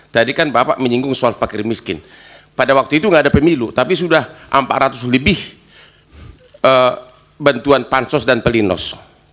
tadi kan bapak menyinggung soal fakir miskin pada waktu itu nggak ada pemilu tapi sudah empat ratus lebih bantuan pansos dan pelindos